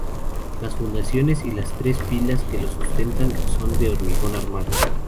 Las fundaciones y las tres pilas que lo sustentan son de hormigón armado.